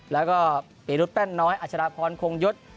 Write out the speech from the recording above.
แล้วก็ปีฤทธิ์แป้นน้อยอัชราพรคงยุทธ์